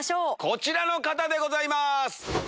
こちらの方でございます。